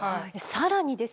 更にですね